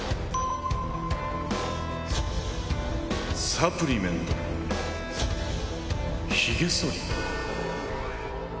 サプリメントひげそり